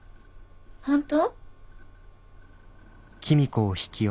本当？